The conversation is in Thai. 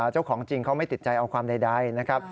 เจ้าของจริงเขาไม่ติดใจเอาความใดนะครับ